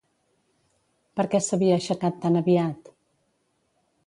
Per què s'havia aixecat tan aviat?